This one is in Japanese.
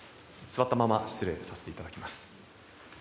座ったまま失礼させていただきます。